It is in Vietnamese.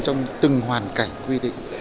trong từng hoàn cảnh quy định